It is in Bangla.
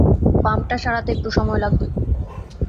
পাম্পটা সারাতে একটু সময় লাগবে।